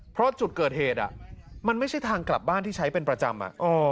เพราะจุดเกิดเหตุมันไม่ใช่ทางกลับบ้านที่ใช้เป็นประจำ